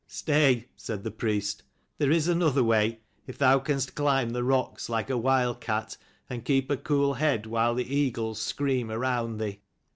"Stay," said the priest. "There is another way, if thou canst climb the rocks like a wild cat, and keep a cool head while the eagles scream around thee.